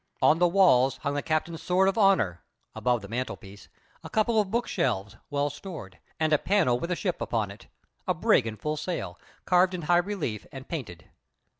On the walls hung the captain's sword of honour (above the mantelpiece), a couple of bookshelves, well stored, and a panel with a ship upon it a brig in full sail carved in high relief and painted.